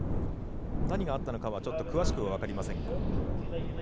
何があったのかは詳しくは分かりませんが。